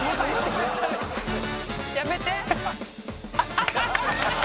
「やめて」「」